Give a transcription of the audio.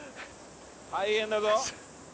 大変だぞ。